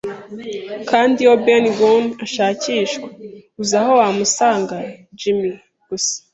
“Kandi iyo Ben Gunn ashakishwa, uzi aho wamusanga, Jim. Gusa